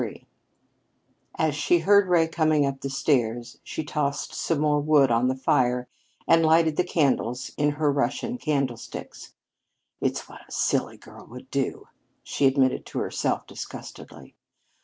XXIII As she heard Ray coming up the stairs, she tossed some more wood on the fire and lighted the candles in her Russian candlesticks. "It's what any silly girl would do!" she admitted to herself disgustedly.